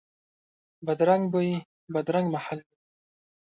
بدرنګ بوی، بدرنګ محل وي